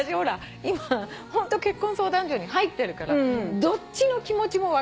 今ホント結婚相談所に入ってるからどっちの気持ちも分かるっていうか。